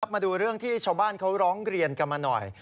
มาดูเรื่องที่ชาวบ้านเขาร้องเรียนกันมาหน่อย